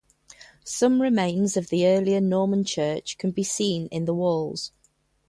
Some remains of the earlier Norman church can be seen in the walls.